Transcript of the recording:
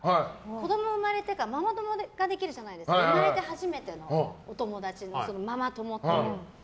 子供が生まれてからママ友ができるじゃないですか生まれて初めてのお友達ママ友っていう。